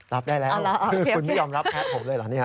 รับได้แล้วคุณไม่ยอมรับแอดผมเลยเหรอ